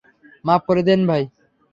মাফ করে দেন ভাই!